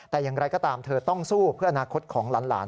แต่อย่างไรก็ตามเธอต้องสู้เพื่ออนาคตของหลาน